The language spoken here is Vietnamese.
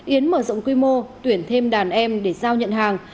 yến mở rộng quy mô tuyển thêm đàn em để giao nhận hàng